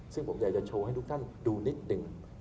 ซึ่งผมอยากจะโชว์ให้ทุกท่านดูนิดหนึ่ง